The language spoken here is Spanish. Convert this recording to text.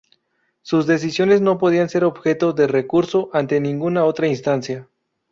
Sus decisiones no podían ser objeto de recurso ante ninguna otra instancia.